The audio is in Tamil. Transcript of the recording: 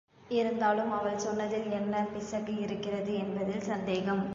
இருந்தாலும் அவள் சொன்னதில் என்ன பிசகு இருக்கிறது என்பதில் சந்தேகம்.